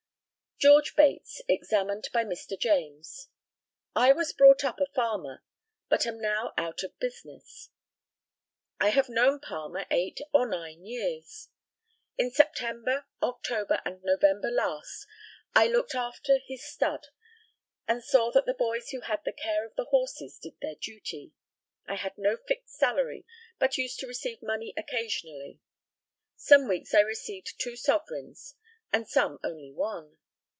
GEORGE BATES, examined by Mr. JAMES. I was brought up a farmer, but am now out of business. I have known Palmer eight or nine years. In September, October, and November last I looked after his stud, and saw that the boys who had the care of the horses did their duty. I had no fixed salary, but used to receive money occasionally; some weeks I received two sovereigns, and some only one.